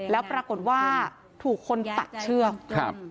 แล้วปรากฏว่าถูกคนตัดเชือกครับ